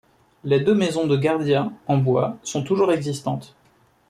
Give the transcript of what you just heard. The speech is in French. Les deux maisons de gardiens, en bois, sont toujours existantes.